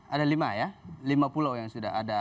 ada lima ya lima pulau yang sudah ada